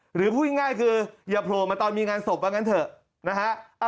หรือพูดง่ายคืออย่าโผล่มาตอนมีงานศพว่างั้นเถอะนะฮะ